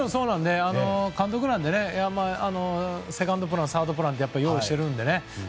監督なのでセカンドプランサードプランって用意しているのでね。